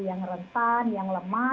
yang rentan yang lemah